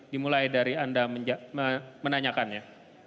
dimulai dari anda menanyakannya